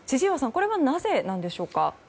これはなぜでしょうか。